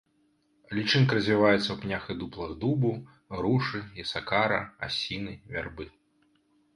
Лічынка развіваецца ў пнях і дуплах дубу, грушы, ясакара, асіны, вярбы.